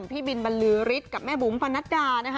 พี่บินบรรลือฤทธิ์กับแม่บุ๋มปนัดดานะคะ